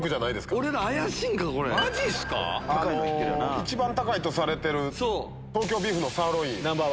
一番高いとされてる東京ビーフのサーロイン。